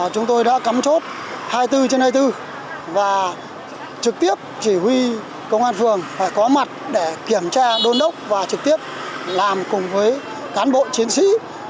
chúng tôi đã cắm chốt hai mươi bốn trên hai mươi bốn và trực tiếp chỉ huy công an phường phải có mặt để kiểm tra đôn đốc và trực tiếp làm cùng với cán bộ chiến sĩ